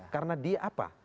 karena dia apa